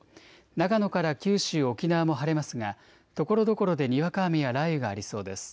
長野から九州、沖縄も晴れますがところどころでにわか雨や雷雨がありそうです。